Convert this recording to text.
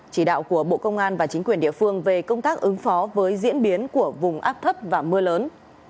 chỉ đạo của bộ công an và chính quyền địa phương về công tác ứng phó với diễn biến của vùng áp thấp và mưa lớn